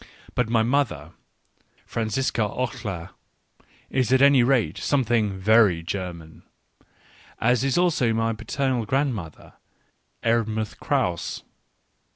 But my mother, Franziska Oehler, is at any rate something very German; as is also my paternal grandmother, Erdmuthe Krause.